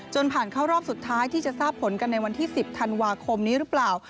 ผ่านเข้ารอบสุดท้ายที่จะทราบผลกันในวันที่๑๐ธันวาคมนี้หรือเปล่า